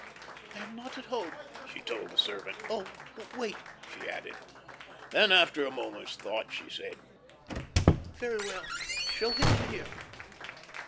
"I am not at home," she told the servant. "Or wait," she added. Then, after a moment's thought, she said: "Very well. Show him in here."